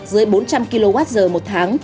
dưới bốn trăm linh kwh một tháng